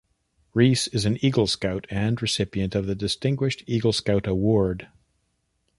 Reece is an Eagle Scout and recipient of the Distinguished Eagle Scout Award.